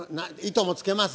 糸も付けます？